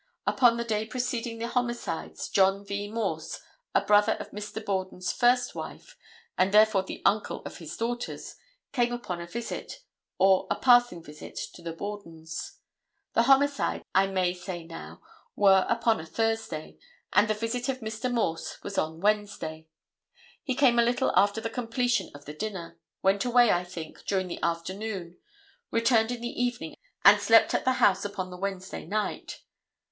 Upon the day preceding the homicides, John V. Morse, a brother of Mr. Borden's first wife, and, therefore, the uncle of his daughters, came upon a visit, or a passing visit, to the Bordens. The homicides, I may say now, were upon a Thursday, and the visit of Mr. Morse was on Wednesday. He came a little after the completion of the dinner; went away, I think, during the afternoon, returned in the evening and slept at the house upon the Wednesday night.